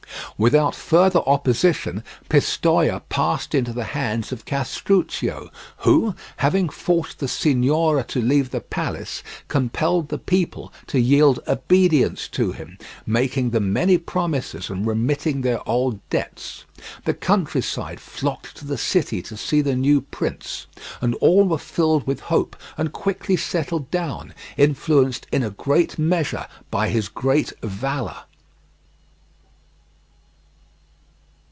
Without further opposition Pistoia passed into the hands of Castruccio, who, having forced the Signoria to leave the palace, compelled the people to yield obedience to him, making them many promises and remitting their old debts. The countryside flocked to the city to see the new prince, and all were filled with hope and quickly settled down, influenced in a great measure by his great valour.